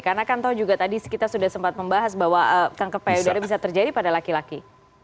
karena kan tahu juga tadi kita sudah sempat membahas bahwa kanker payudara bisa terjadi pada laki laki